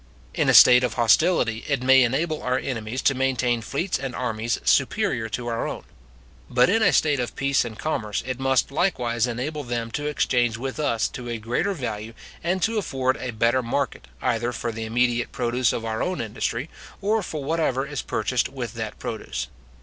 In a state of hostility, it may enable our enemies to maintain fleets and armies superior to our own; but in a state of peace and commerce it must likewise enable them to exchange with us to a greater value, and to afford a better market, either for the immediate produce of our own industry, or for whatever is purchased with that produce.